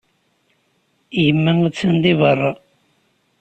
Yemma attan deg beṛṛa.